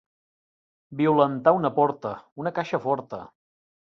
Violentar una porta, una caixa forta.